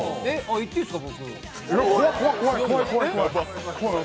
行っていいんですか？